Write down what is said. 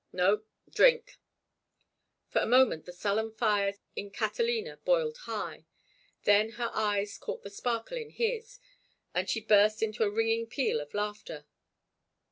"No. Drink." For a moment the sullen fires in Catalina boiled high, then her eyes caught the sparkle in his and she burst into a ringing peal of laughter.